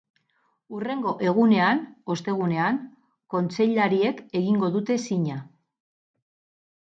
Hurrengo egunean, ostegunean, kontseilariek egingo dute zina.